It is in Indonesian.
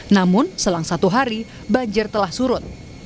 namun selang satu hari banjir telah surut